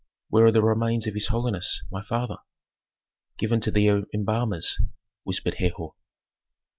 "Where are the remains of his holiness, my father?" "Given to the embalmers," whispered Herhor.